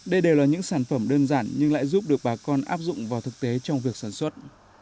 đây đều là những sản phẩm đơn giản nhưng lại giúp được bà con áp dụng vào thực tế trong việc sản xuất